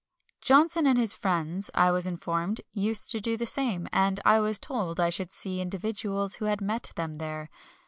Johnson and his friends, I was informed, used to do the same, and I was told I should see individuals who had met them there.